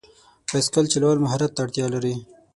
بایسکل چلول مهارت ته اړتیا لري.